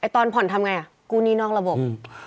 ตอนผ่อนทำไงกู้หนี้นอกระบบ